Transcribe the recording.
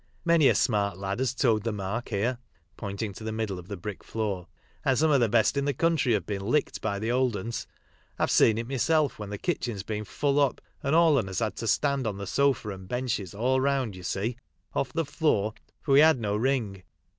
Many a smart lad has toed the mark here (pointing to the middle of the brick floor), and some of the best in the couutry have been licked by th' old 'una. I've seen it myself when kitchen's been full up, and all on us had to stand on the sofa and benches, all round, ye see, off the floor, for we had no ring.